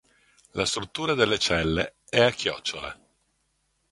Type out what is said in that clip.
La struttura delle celle è "a chiocciola".